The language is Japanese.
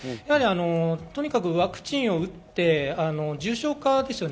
とにかくワクチンを打って重症化。